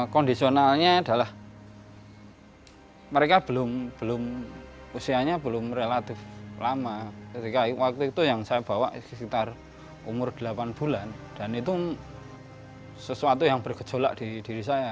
kondisionalnya adalah mereka belum usianya belum relatif lama ketika waktu itu yang saya bawa sekitar umur delapan bulan dan itu sesuatu yang bergejolak di diri saya